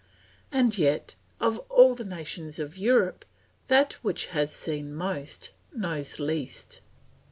And yet of all the nations of Europe, that which has seen most, knows least.